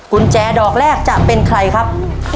กุญแจดอกแรกจะเป็นใครครับ